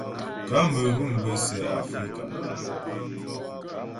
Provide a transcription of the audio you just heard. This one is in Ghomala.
Kamerun bə́ sɛ Afrika.